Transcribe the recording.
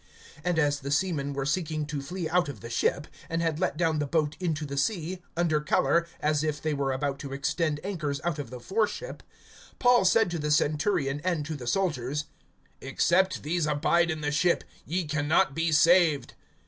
(30)And as the seamen were seeking to flee out of the ship, and had let down the boat into the sea, under color as if they were about to extend anchors out of the foreship, (31)Paul said to the centurion and to the soldiers: Except these abide in the ship, ye can not be saved.